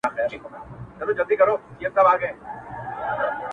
چي مات سې!! مړ سې تر راتلونکي زمانې پوري!!